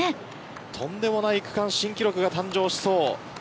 とんでもない区間新記録が誕生しそうです。